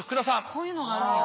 こういうのがあるんや。